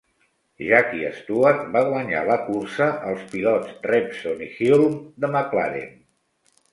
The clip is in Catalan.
Jackie Stewart va guanyar la cursa als pilots Revson i Hulme de McLaren.